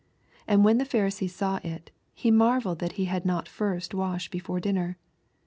88 And when the Pharisee saw it, he marvelled that he had not first washed before dinner.